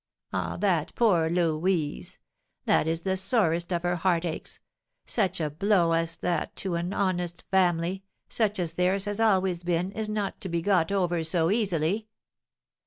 Ah, that poor Louise! That is the sorest of her heartaches; such a blow as that to an honest family, such as theirs has always been, is not to be got over so easily.